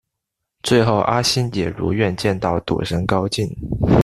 最后阿星也如愿见到赌神高进。